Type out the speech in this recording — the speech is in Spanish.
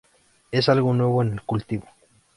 Es algo nuevo en el cultivo.